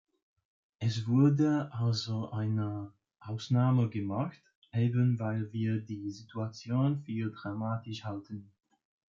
Es wurde also eine Ausnahme gemacht, eben weil wir die Situation für dramatisch halten.